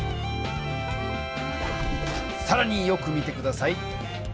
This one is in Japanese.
さらによく見て下さい。